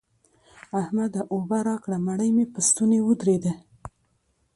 احمده! اوبه راکړه؛ مړۍ مې په ستونې ودرېده.